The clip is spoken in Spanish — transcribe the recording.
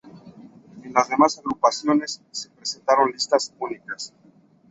En las demás agrupaciones se presentaron listas únicas.